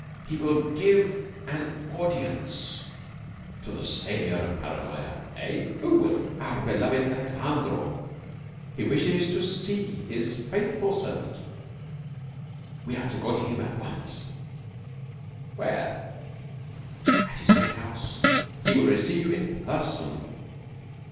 He will give an audience to the Savior of Paranoya." "Eh? Who will?" "Our beloved Alejandro. He wishes to see his faithful servant. We are to go to him at once." "Where?" "At his own house. He will receive you in person."